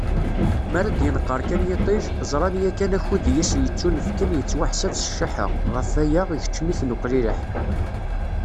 Mi ara d-yenqer kan yiṭij, ẓran yakan akud i asen-yettunefken yettwaḥseb s cceḥḥa, ɣef waya, ikeccem-iten uqlileḥ.